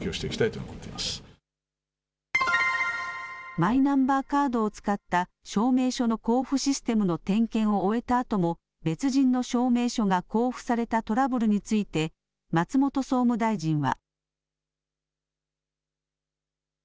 マイナンバーカードを使った証明書の交付システムの点検を終えたあとも別人の証明書が交付されたトラブルについて松本総務大臣は。